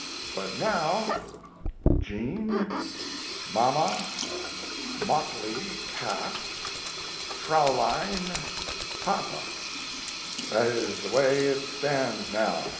But now: Jean Mama Motley |cats Fraulein | Papa That is the way it stands now.